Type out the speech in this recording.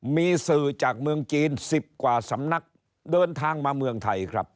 มีสื่อจากเมืองจีน๑๐กว่าสำนักเดินทางมาเมืองไทยครับ